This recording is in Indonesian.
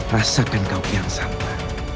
rasakan kau kian santang